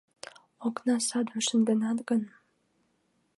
Окна садым шынденат гын